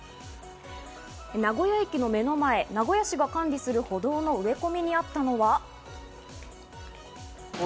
名古屋駅の目の前、名古屋市が管理する歩道の植え込みにあったのは。